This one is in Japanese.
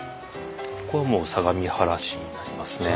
これも相模原市になりますね。